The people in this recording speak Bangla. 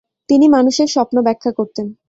তিনি মানুষের সপ্ন ব্যাখ্যা করতেন।